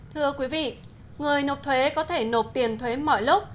thưa quý vị người nộp thuế có thể nộp tiền thuế mọi lúc